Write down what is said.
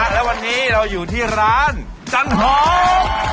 และวันนี้เราอยู่ที่ร้านจันหอม